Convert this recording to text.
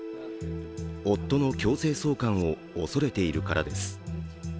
夫の強制送還を恐れているからです。